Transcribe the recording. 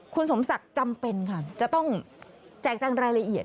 คุณสมศักดิ์จำเป็นค่ะจะต้องแจกจังรายละเอียด